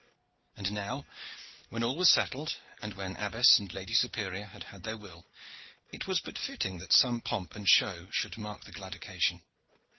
And now, when all was settled, and when abbess and lady superior had had their will, it was but fitting that some pomp and show should mark the glad occasion.